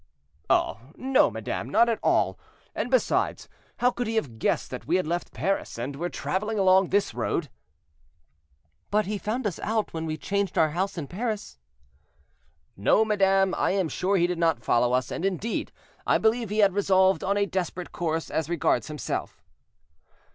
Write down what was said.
"Oh! no, madame, not at all; and besides, how could he have guessed that we had left Paris, and were traveling along this road?" "But he found us out when we changed our house in Paris." "No, madame, I am sure he did not follow us; and, indeed, I believe he had resolved on a desperate course as regards himself."